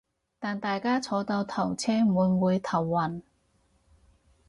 但大家坐倒頭車會唔會頭暈